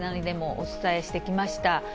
でもお伝えしてきました。